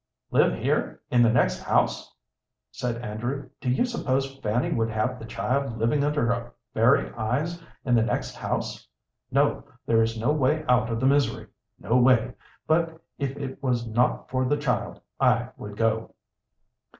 "Live here in the next house!" said Andrew. "Do you suppose Fanny would have the child living under her very eyes in the next house? No, there is no way out of the misery no way; but if it was not for the child, I would go!"